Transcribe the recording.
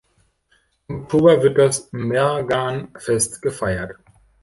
Im Oktober wird das Mehrgan-Fest gefeiert.